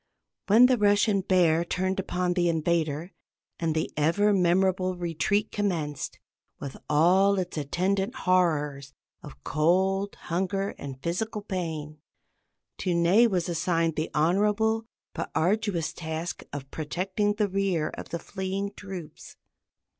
When the Russian Bear turned upon the invader, and the ever memorable retreat commenced, with all its attendant horrors of cold, hunger, and physical pain, to Ney was assigned the honorable but arduous task of protecting the rear of the fleeing troops.